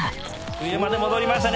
上まで戻りましたね。